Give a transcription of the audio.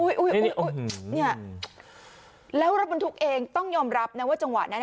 อุ้ยอุ้ยอุ้ยเนี้ยแล้วรถบันทุกข์เองต้องยอมรับนะว่าจังหวัดนั้น